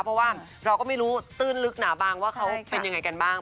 เพราะว่าเราก็ไม่รู้ตื้นลึกหนาบางว่าเขาเป็นยังไงกันบ้าง